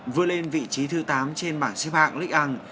vừa lên vị trí thứ tám trên bảng xếp hạng ligue một